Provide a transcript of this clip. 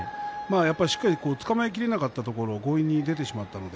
しっかりつかまえきれなかったところを強引に出てしまいました。